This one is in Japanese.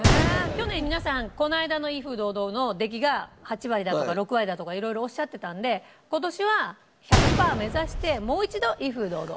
去年皆さんこの間の『威風堂々』の出来が８割だとか６割だとか色々おっしゃってたんで今年は１００パー目指してもう一度『威風堂々』。